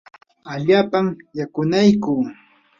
allaapam yakunaykuu.